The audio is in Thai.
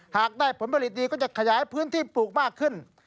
หากได้ผลผลิตดีก็จะขยายพื้นที่ปลูกมากขึ้น